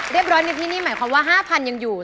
เรียบร้อยนิดนิดหมายความว่า๕๐๐๐ยังอยู่